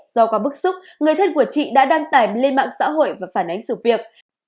do có bức xúc người thân của chị đã đăng tải lên mạng xã hội và phản ánh sự việc